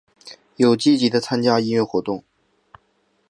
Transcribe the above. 有积极的参与音乐活动。